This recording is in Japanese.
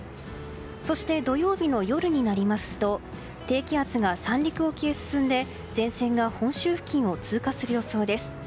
そして、土曜日の夜になりますと低気圧が三陸沖へ進んで前線が本州付近を通過する予想です。